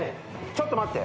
ちょっと待って。